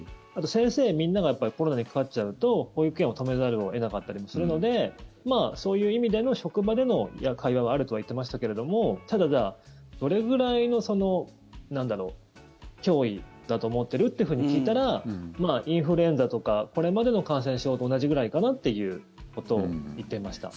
先生みんながコロナにかかっちゃうと保育園を止めざるを得なかったりするのでまあ、そういう意味での職場での会話はあるとは言ってましたけどただ、どれくらいの脅威だと思ってる？ってふうに聞いたらインフルエンザとかこれまでの感染症と同じくらいかなっていうことを言っていました。